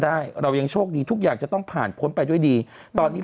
เรายังโชคดีทุกอย่างจะต้องผ่านพ้นไปด้วยดีตอนนี้